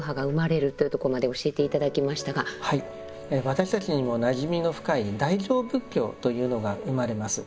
私たちにもなじみの深い大乗仏教というのが生まれます。